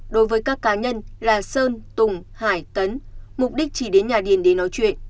đối với các cá nhân là sơn tùng hải tấn mục đích chỉ đến nhà điền để nói chuyện